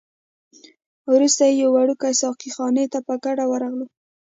وروسته یوې وړوکي ساقي خانې ته په ګډه ورغلو.